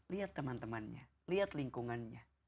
lihat teman temannya lihat lingkungannya